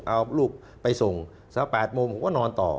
เอาลูกไปส่งสัก๘โมงผมก็นอนต่อ